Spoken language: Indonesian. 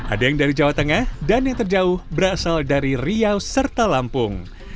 ada yang dari jawa tengah dan yang terjauh berasal dari riau serta lampung